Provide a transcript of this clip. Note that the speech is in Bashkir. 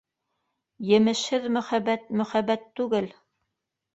Емешһеҙ мөхәббәт - мөхәббәт түгел!